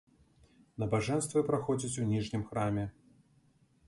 Набажэнствы праходзяць у ніжнім храме.